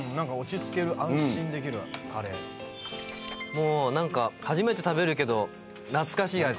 もうなんか初めて食べるけど懐かしい味。